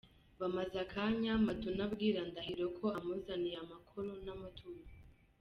Bamaze akanya, Maduna abwira Ndahiro ko amuzaniye amakoro n’amaturo.